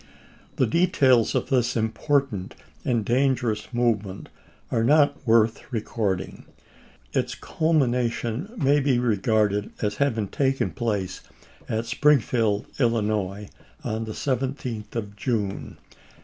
The details of this important and dangerous movement are not worth record ing; its culmination may be regarded as having taken place at Springfield, Illinois, on the 17th 1863. of June.